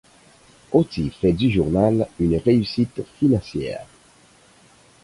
Otis fait du journal une réussite financière.